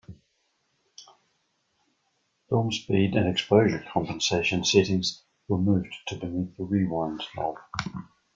Film speed and exposure compensation settings were moved to beneath the rewind knob.